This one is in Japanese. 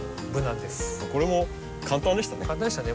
これも簡単でしたね。